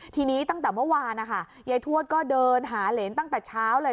ทีนี้ตั้งแต่เมื่อวานนะคะยายทวดก็เดินหาเหรนตั้งแต่เช้าเลย